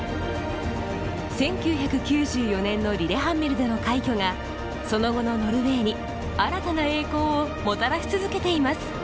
１９９４年のリレハンメルでの快挙がその後のノルウェーに新たな栄光をもたらし続けています。